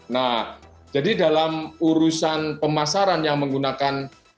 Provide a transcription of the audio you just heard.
nah jadi dalam urusan pemasaran yang menggunakan